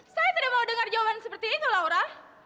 saya tidak mau dengar jawaban seperti itu laura